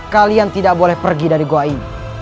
kalian tidak boleh pergi dari goa ini